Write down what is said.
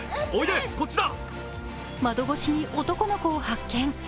窓越しに男の子を発見。